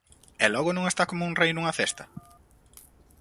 E logo non está coma un rei nunha cesta?